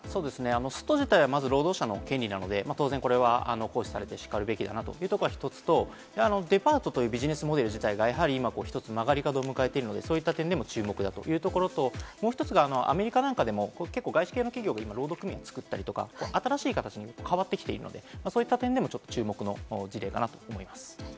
スト自体は労働者の権利なので当然、これは行使されてしかるべきだなというところが１つと、デパートというビジネスモデル自体が今、ひとつ曲がり角を迎えているので、そういった点でも注目だというところと、もう一つ、アメリカなんかでも結構、外資系企業が労働組合を作ったり、新しい形に変わってきているので、そういった点でも注目の事例かと思います。